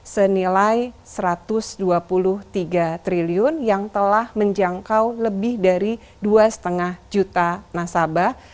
senilai rp satu ratus dua puluh tiga triliun yang telah menjangkau lebih dari dua lima juta nasabah